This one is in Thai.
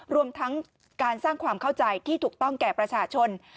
รวมทั้งการสร้างความเข้าใจที่ถูกต้องแก่ประชาชน